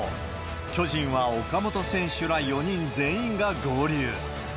巨人は岡本選手ら４人全員が合流。